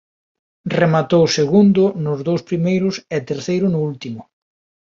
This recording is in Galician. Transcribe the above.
Rematou segundo nos dous primeiros e terceiro no último.